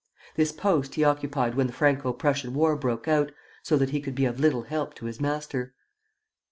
This post he occupied when the Franco Prussian war broke out, so that he could be of little help to his master.